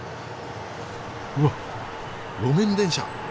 うわっ路面電車